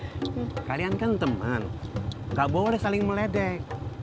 kalian kan teman nggak boleh saling meledek